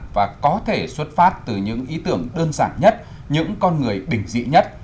và có thể xuất phát từ những ý tưởng đơn giản nhất những con người bình dị nhất